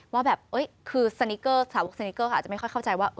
ว่าแบบคือสาวกสนิกเกอร์อาจจะไม่ค่อยเข้าใจว่า